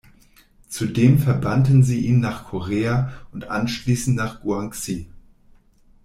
Zudem verbannten sie ihn nach Korea und anschließend nach Guangxi.